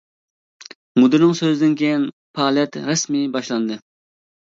مۇدىرنىڭ سۆزىدىن كىيىن پائالىيەت رەسمىي باشلاندى.